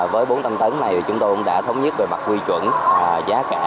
với bốn trăm linh tấn này chúng tôi cũng đã thống nhất về mặt quy chuẩn giá cả